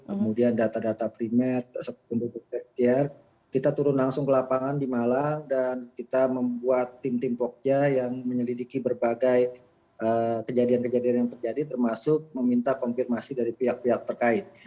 kemudian data data primer kita turun langsung ke lapangan di malang dan kita membuat tim tim pogja yang menyelidiki berbagai kejadian kejadian yang terjadi termasuk meminta konfirmasi dari pihak pihak terkait